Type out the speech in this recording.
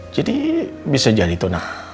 jadi bisa jadi itu ma